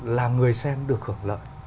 là người xem được hưởng lợi